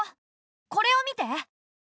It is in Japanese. これを見て。